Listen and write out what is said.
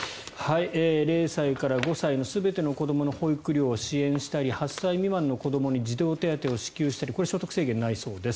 ０歳から５歳の全ての子どもの保育料を支援したり８歳未満の子どもに児童手当を支給したりこれ、所得制限ないそうです。